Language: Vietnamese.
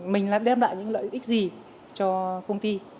mình là đem lại những lợi ích gì cho công ty